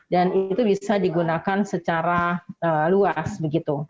dan itu bisa digunakan secara luas begitu